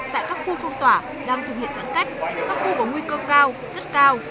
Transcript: tại các khu phong tỏa đang thực hiện giãn cách các khu có nguy cơ cao rất cao